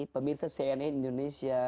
pemirsa cnn indonesia